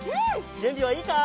じゅんびはいいか？